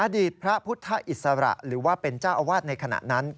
อดีตพระพุทธอิสระหรือว่าเป็นเจ้าอาวาสในขณะนั้น